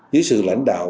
dưới sự lãnh đạo